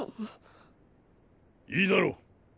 いいだろう